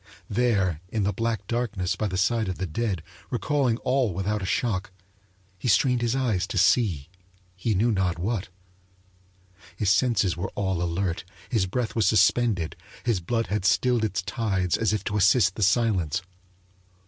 There in the black darkness by the side of the dead, recalling all without a shock, he strained his eyes to see he knew not what. His senses were all alert, his breath was suspended, his blood had stilled its tides as if to assist the silence.